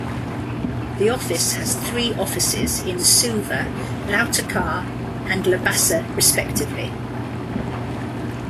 The office has three offices in Suva, Lautoka, and Labasa respectively.